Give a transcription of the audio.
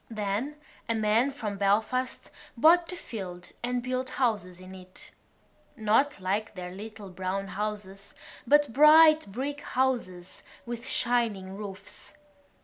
Then a man from Belfast bought the field and built houses in it—not like their little brown houses but bright brick houses with shining roofs.